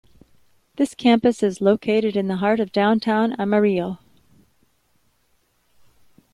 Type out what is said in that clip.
This campus is located in the heart of downtown Amarillo.